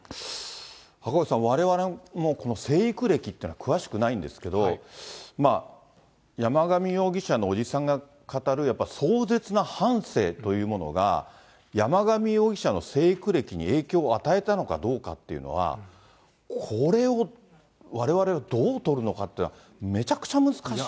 赤星さん、われわれもこの成育歴っていうのは詳しくないんですけど、山上容疑者の伯父さんが語る壮絶な半生というものが、山上容疑者の成育歴に影響を与えたのかどうかっていうのは、これをわれわれはどう取るのかっていうのは、めちゃくちゃ難しい。